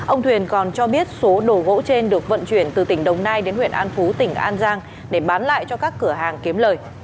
ông thuyền còn cho biết số đồ gỗ trên được vận chuyển từ tỉnh đồng nai đến huyện an phú tỉnh an giang để bán lại cho các cửa hàng kiếm lời